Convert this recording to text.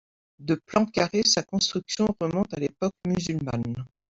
De plan carré, sa construction remonte à l'époque musulmane.